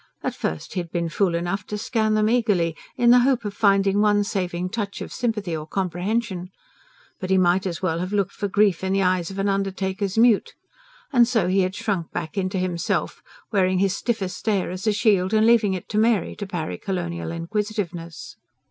At first he had been fool enough to scan them eagerly, in the hope of finding one saving touch of sympathy or comprehension. But he might as well have looked for grief in the eyes of an undertaker's mute. And so he had shrunk back into himself, wearing his stiffest air as a shield and leaving it to Mary to parry colonial inquisitiveness.